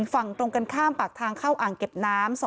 ฝั่งตรงกันข้ามปากทางเข้าอ่างเก็บน้ำ